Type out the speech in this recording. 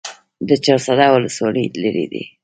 د چهارسده ولسوالۍ لیرې ده